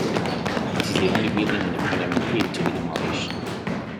It is the only building on Parliament Hill to be demolished.